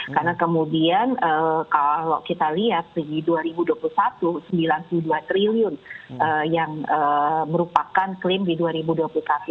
karena kemudian kalau kita lihat di dua ribu dua puluh satu rp sembilan puluh dua triliun yang merupakan krim di dua ribu dua puluh